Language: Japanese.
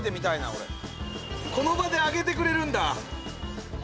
この場で揚げてくれるんだ！